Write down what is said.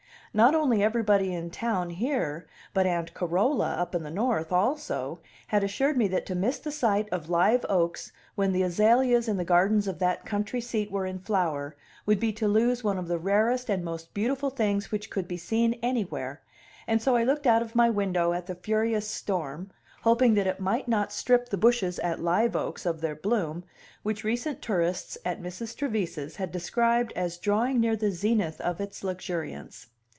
Not only everybody in town here, but Aunt Carola, up in the North also, had assured me that to miss the sight of Live Oaks when the azaleas in the gardens of that country seat were in flower would be to lose one of the rarest and most beautiful things which could be seen anywhere; and so I looked out of my window at the furious storm, hoping that it might not strip the bushes at Live Oaks of their bloom, which recent tourists at Mrs. Trevise's had described as drawing near the zenith of its luxuriance.